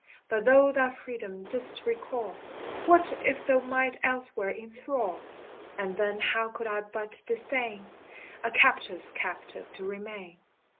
But thou thy freedom didst recall, That if thou might elsewhere inthrall; And then how could I but disdain A captive's captive to remain?